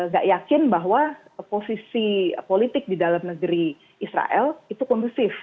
gak yakin bahwa posisi politik di dalam negeri israel itu kondusif